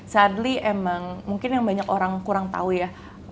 sadly emang mungkin yang banyak orang kurang tahu ya